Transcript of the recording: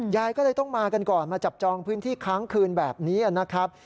ยายก็เลยต้องมากันก่อนมาจับจองพื้นที่ค้างคืนแบบนี้นะครับ